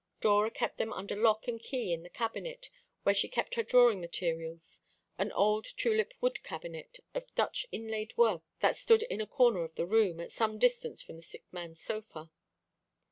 Dora kept them under lock and key in the cabinet, where she kept her drawing materials, an old tulip wood cabinet of Dutch inlaid work that stood in a corner of the room, at some distance from the sick man's sofa.